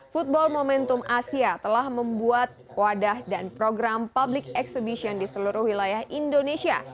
football momentum asia telah membuat wadah dan program public exhibition di seluruh wilayah indonesia